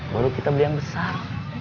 baru kita beli yang besar